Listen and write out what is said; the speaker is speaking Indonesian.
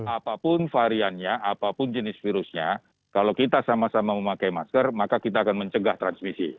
apapun variannya apapun jenis virusnya kalau kita sama sama memakai masker maka kita akan mencegah transmisi